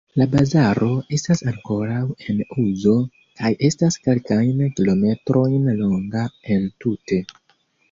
La bazaro estas ankoraŭ en uzo kaj estas kelkajn kilometrojn longa entute.